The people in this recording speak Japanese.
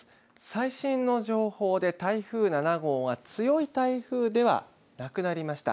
最新の情報で台風７号は強い台風ではなくなりました。